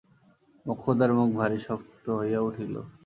মোক্ষদার মুখ ভারি শক্ত হইয়া উঠিল।